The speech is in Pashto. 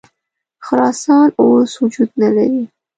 خراسان اوس وجود نه لري.